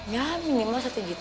ya minimal satu juta